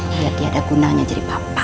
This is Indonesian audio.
biar dia ada gunanya jadi papa